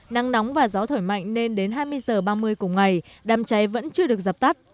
nắng nóng và gió thổi mạnh nên đến hai mươi h ba mươi cùng ngày đám cháy vẫn chưa được dập tắt